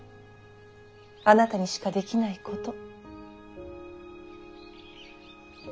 あなたにしかできないこと。